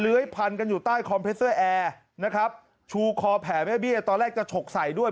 เลื้อยพันกันอยู่ใต้นะครับชูคอแผลแม่เบี้ยตอนแรกจะฉกใส่ด้วย